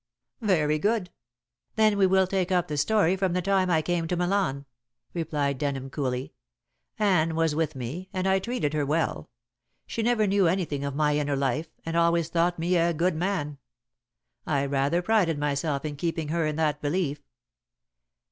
"Very good. Then we will take up the story from the time I came to Milan," replied Denham coolly. "Anne was with me, and I treated her well. She never knew anything of my inner life, and always thought me a good man. I rather prided myself in keeping her in that belief."